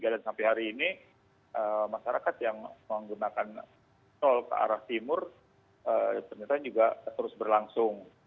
dua tiga dan sampai hari ini masyarakat yang menggunakan sol ke arah timur ternyata juga terus berlangsung